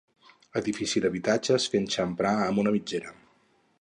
Edifici d'habitatges fent xamfrà amb una mitgera.